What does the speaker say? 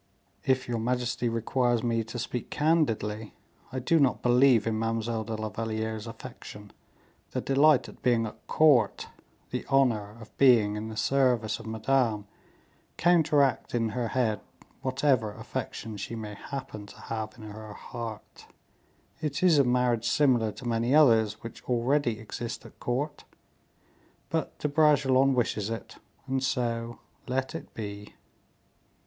"If your majesty requires me to speak candidly, I do not believe in Mademoiselle de la Valliere's affection; the delight at being at court, the honor of being in the service of Madame, counteract in her head whatever affection she may happen to have in her heart; it is a marriage similar to many others which already exist at court; but De Bragelonne wishes it, and so let it be."